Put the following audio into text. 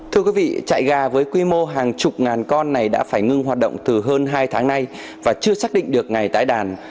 thưa quý vị trại gà với quy mô hàng chục ngàn con này đã phải ngưng hoạt động từ hơn hai tháng nay và chưa xác định được ngày tái đàn